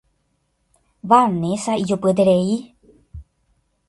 Vanessa ijopyeterei.